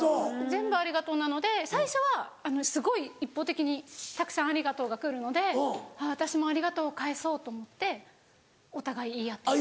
全部「ありがとう」なので最初はすごい一方的にたくさん「ありがとう」が来るので私も「ありがとう」を返そうと思ってお互い言い合ってます。